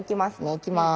行きます。